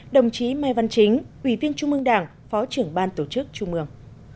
đồng chí mai văn chính ủy viên trung mương đảng phó trưởng ban tổ chức trung ương